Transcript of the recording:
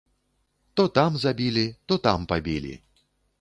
То там забілі, то там пабілі.